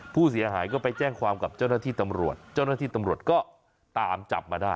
ผู้เสียหายก็ไปแจ้งความกับเจ้าหน้าที่ตำรวจเจ้าหน้าที่ตำรวจก็ตามจับมาได้